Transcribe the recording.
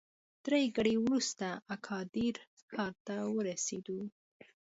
درې ګړۍ وروسته اګادیر ښار ته ورسېدو.